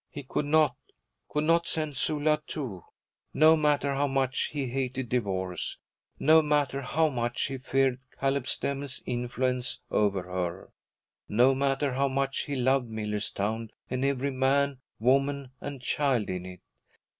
He could not, could not send Sula, too, no matter how much he hated divorce, no matter how much he feared Caleb Stemmel's influence over her, no matter how much he loved Millerstown and every man, woman, and child in it.